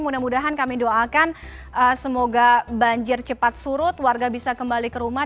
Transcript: mudah mudahan kami doakan semoga banjir cepat surut warga bisa kembali ke rumah